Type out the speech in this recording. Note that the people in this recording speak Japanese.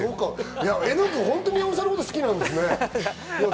絵音君、本当に宮本さんのことが好きなんですね。